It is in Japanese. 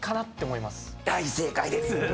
大正解です。